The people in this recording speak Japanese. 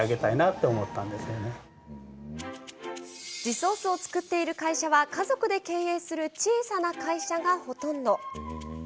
地ソースを作っている会社は家族で経営する小さな会社がほとんど。